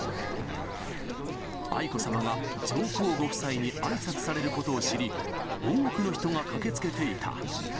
愛子さまが上皇ご夫妻にあいさつされることを知り、多くの人が駆けつけていた。